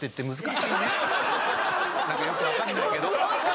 よく分かんないけど。